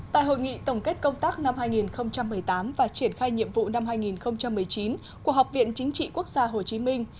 tại hội nghị tổng kết công tác năm hai nghìn một mươi tám và triển khai nhiệm vụ năm hai nghìn một mươi chín của học viện chính trị quốc gia hồ chí minh